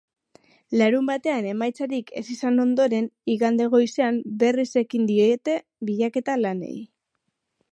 Larunbatean emaitzarik ez izan ondoren, igande goizean berriz ekin diete bilaketa lanei.